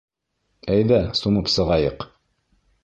Әйҙә, сумып сығайыҡ!